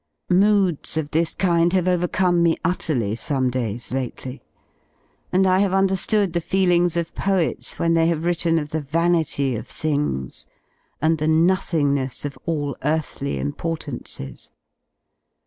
xMoods of this kind have overcome me utterly some days lately; and I have un derwood the feelings of poets when they have written of the vanity of things and the nothingness of all earthly import ances.